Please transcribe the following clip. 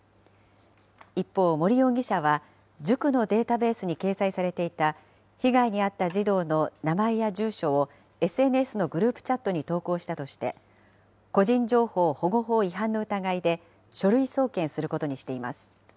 一方、森容疑者は、塾のデータベースに掲載されていた被害に遭った児童の名前や住所をＳＮＳのグループチャットに投稿したとして、個人情報保護法違反の疑いで書類送検することにしています。